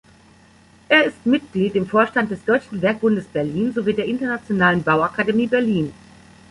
Er ist Mitglied im Vorstand des Deutschen Werkbundes Berlin, sowie der Internationalen Bauakademie Berlin.